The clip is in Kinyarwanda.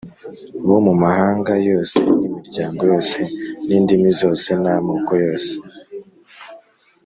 bo mu mahanga yose n’imiryango yose, n’indimi zose n’amoko yose.